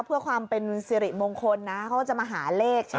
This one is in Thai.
เพื่อความเป็นสิริมงคลนะเขาก็จะมาหาเลขใช่ไหม